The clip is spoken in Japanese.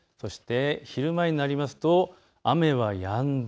昼前になりますと雨はやんで